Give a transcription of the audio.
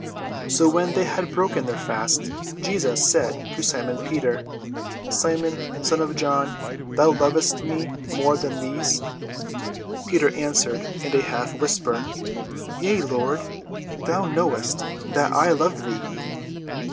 So when they had broken their fast, Jesus said to Simon Peter, "Simon, son of John, lovest thou me more than these?" Peter answered in a half whisper, "Yea, Lord; thou knowest that I love thee."